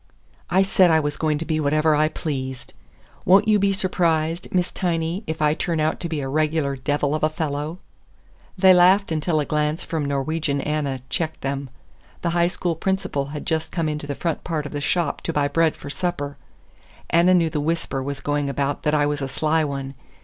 I said I was going to be whatever I pleased. "Won't you be surprised, Miss Tiny, if I turn out to be a regular devil of a fellow?" They laughed until a glance from Norwegian Anna checked them; the High School Principal had just come into the front part of the shop to buy bread for supper. Anna knew the whisper was going about that I was a sly one.